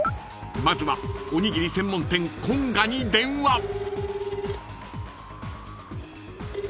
［まずはおにぎり専門店こんがに電話］